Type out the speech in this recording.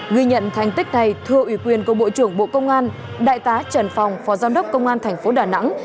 ghi nhận thành tích này thưa ủy quyền của bộ trưởng bộ công an đại tá trần phòng phó giám đốc công an thành phố đà nẵng